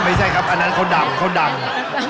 ไม่ใช่ครับอันนั้นคนดำคนดำ